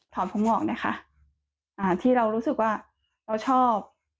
ถอนผมออกได้ค่ะที่เรารู้สึกว่าเราชอบ